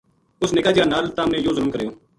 اس نِکا جِیا نال تم نے یوہ ظلم کریو